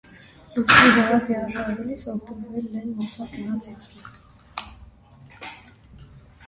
Լուսնի վրա տեղաշարժվելիս օգտվել են լուսնագնացից։